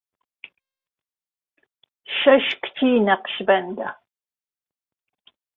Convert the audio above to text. شهش کچی نهقشبهنده